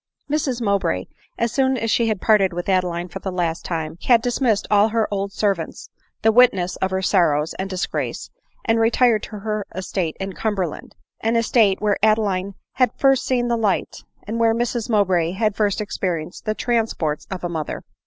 Mrs Mowbray, as soon as she had parted with Ade line for the last time, had dismissed all her old servants, the witnesses of her sorrows and disgrace, and retired to her estate in Cumberland — an estate • where Adeline had first seen the light, and where Mrs Mowbray had first experienced the transports of a mother.